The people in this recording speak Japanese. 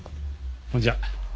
ほんじゃ。